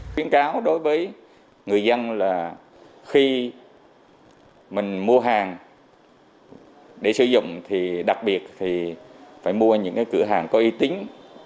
tiến cáo đối với người dân là khi mình mua hàng để sử dụng thì đặc biệt thì phải mua những cửa hàng có y tính